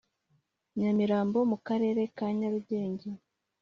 nyamirambo mu karere ka nyarugenge